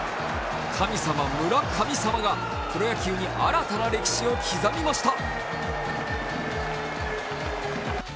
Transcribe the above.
神様・村神様がプロ野球に新たな歴史を刻みました。